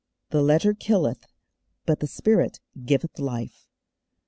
'_The letter killeth, but the spirit giveth life.